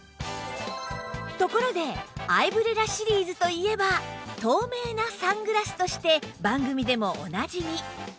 ところでアイブレラシリーズといえば透明なサングラスとして番組でもおなじみ